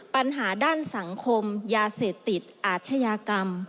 ปัญหาด้านสังคมยาเสพติดอาชญากรรม